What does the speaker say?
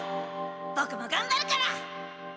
ボクもがんばるから。